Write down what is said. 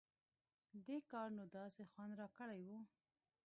دې کار نو داسې خوند راکړى و.